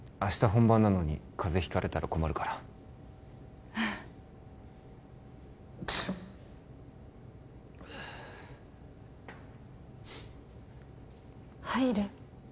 本番なのに風邪ひかれたら困るから入る？